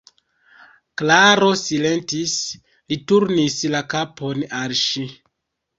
Klaro silentis; li turnis la kapon al ŝi.